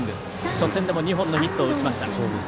初戦でも２本のヒットを打ちました。